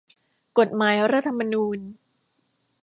กฎหมายรัฐธรรมนูญ